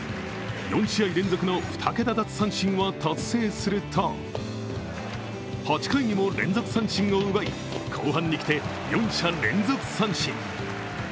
４試合連続の２桁奪三振を達成すると８回にも連続三振を奪い後半に来て４者連続三振。